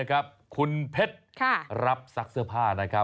คุณเพชรรับซักเสื้อผ้า